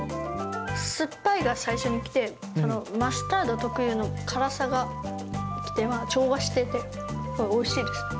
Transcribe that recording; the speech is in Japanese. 酸っぱいが最初に来て、マスタード特有の辛さがきて、調和してておいしいですね。